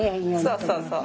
そうそうそう。